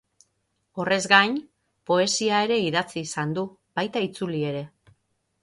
Horrez gain, poesia ere idatzi izan du, baita itzuli ere.